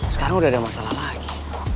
sekarang udah ada masalah lagi